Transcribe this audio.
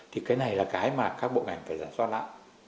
thì cái này là cái mà các bộ ngành phải giả soát lại